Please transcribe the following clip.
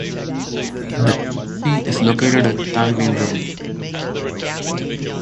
The embassy is located at Tanglin Road.